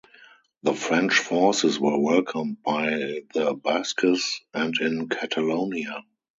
The French forces were welcomed by the Basques and in Catalonia.